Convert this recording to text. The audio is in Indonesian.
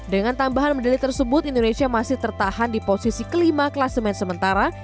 dengan tambahan medali tersebut indonesia masih tertahan di posisi kelima kelasemen sementara